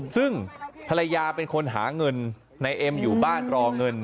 ซึ่งภรรยาเป็นคนหาเงินนายเอ็มอยู่บ้านรอเงิน